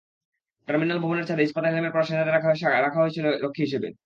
Terminal ভবনের ছাদে ইস্পাতের হেলমেট পরা সেনাদের রাখা হয়েছিল রক্ষী হিসেবে।